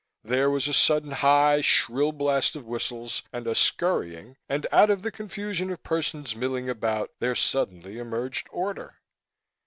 There was a sudden high, shrill blast of whistles and a scurrying and, out of the confusion of persons milling about, there suddenly emerged order.